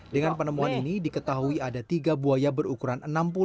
dengan penemuan ini diketahui ada tiga buaya berukuran